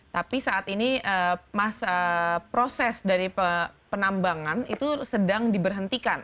tapi saat ini proses dari penambangan itu sedang diberhentikan